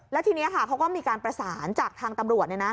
แล้วทีนี้เขาก็มีการประสานจากทางตำรวจ